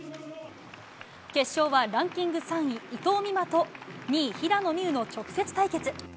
決勝はランキング３位、伊藤美誠と２位、平野美宇の直接対決。